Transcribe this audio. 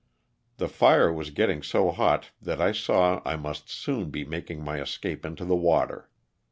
The fire was getting so hot that I saw I must soon be making my escape into the water.